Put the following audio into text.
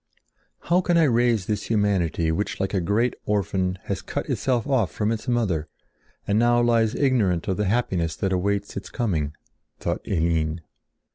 "How can I raise this humanity which like a great orphan has cut itself off from its mother and now lies ignorant of the happiness that awaits its coming?" thought Eline.